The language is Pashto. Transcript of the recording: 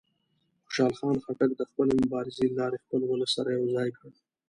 خوشحال خان خټک د خپلې مبارزې له لارې خپل ولس سره یو ځای کړ.